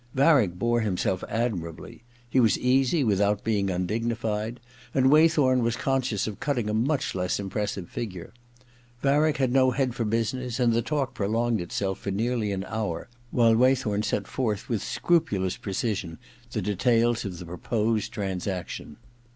Varick bore himself admirably. He was easy without being undignified, and Waythorn was conscious of cutting a much less impressive figure. Varick had no experience of business, and the talk prolonged itself for nearly an hour while Waythorn set forth with scrupulous pre cision the details of the proposed transaction.